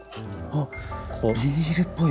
あっビニールっぽい？